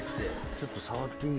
ちょっと触っていい？